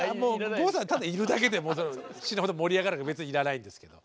郷さんはただいるだけで死ぬほど盛り上がるから別にいらないんですけど。